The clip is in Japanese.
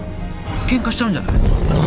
けんかしちゃうんじゃない？